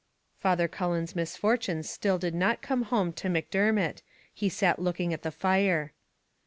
Father Cullen's misfortunes still did not come home to Macdermot; he sat looking at the fire.